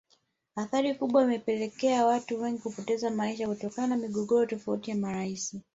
Athari kubwa imepelekea watu wengi kupoteza maisha kutokana na migogoro tofauti ya marais